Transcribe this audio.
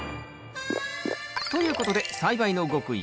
ということで栽培の極意